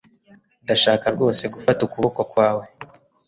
Ndashaka rwose gufata ukuboko kwawe